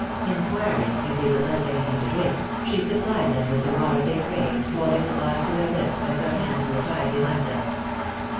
Enquiring if they would like any thing to drink, she supplied them with the water they craved, holding the glass to their lips, as their hands were tied behind them.